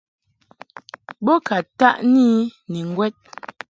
Bo ka taʼni I ni ŋgwɛd.